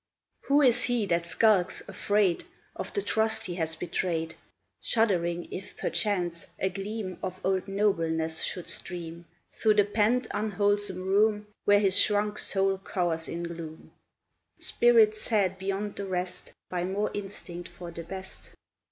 Who is he that skulks, afraid Of the trust he has betrayed, Shuddering if perchance a gleam Of old nobleness should stream Through the pent, unwholesome room, Where his shrunk soul cowers in gloom, Spirit sad beyond the rest By more instinct for the best?